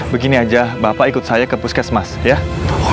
begini aja bapak ikut saya ke puskesmas ya